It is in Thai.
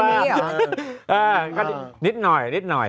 อ่านิดหน่อย